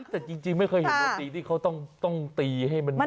แต่จริงไม่เคยเห็นโรตีที่เขาต้องตีให้มัน